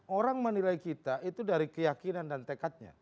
orang menilai kita itu dari keyakinan dan tekadnya